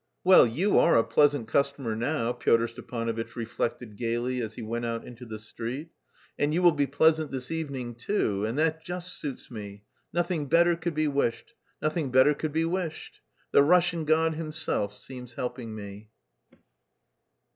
"Well, you are a pleasant customer now!" Pyotr Stepanovitch reflected gaily as he went out into the street, "and you will be pleasant this evening too, and that just suits me; nothing better could be wished, nothing better could be wished! The Russian God Himself seems helping me."